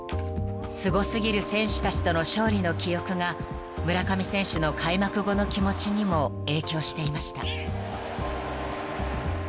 ［すご過ぎる選手たちとの勝利の記憶が村上選手の開幕後の気持ちにも影響していました］